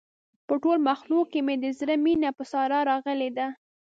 په ټول مخلوق کې مې د زړه مینه په ساره راغلې ده.